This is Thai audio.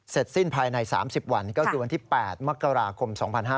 สิ้นภายใน๓๐วันก็คือวันที่๘มกราคม๒๕๕๙